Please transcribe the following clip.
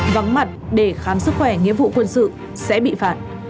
vắng mặt để khám sức khỏe nghĩa vụ quân sự sẽ bị phạt